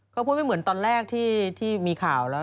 ก็พูดไม่เหมือนตอนแรกที่มีข่าวแล้ว